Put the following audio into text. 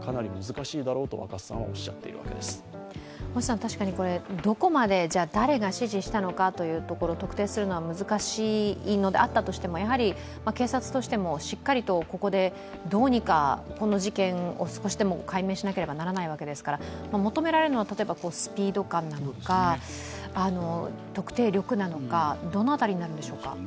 確かにどこまで誰が指示したのかというところ特定するのは難しいのであったとしてもやはり警察としても、しっかりとここでどうにかこの事件を少しでも解明しなければならないわけですから、求められるのは例えばスピード感なのか特定力なのかどの辺りになるんでしょうか。